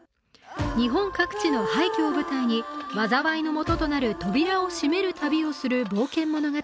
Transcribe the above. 日本各地の廃虚を舞台に災いのもととなる扉を閉める旅をする冒険物語